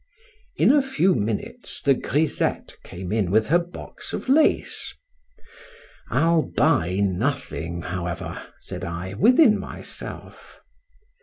In a few minutes the grisette came in with her box of lace.—I'll buy nothing, however, said I, within myself.